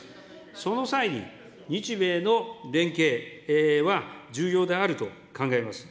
その際に、日米の連携は重要であると考えます。